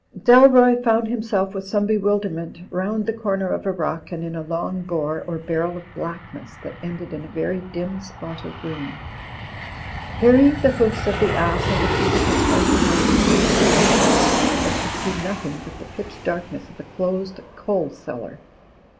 Dalroy foimd himself, with some bewilderment, round the comer of a rock and in a long bore or barrel of blackness that ended in a very dim spot of green. Hearing the hoofs of the ass and the feet of his friend behind him, he turned his head, but could see nothing but the pitch darkness of a closed coal cellar.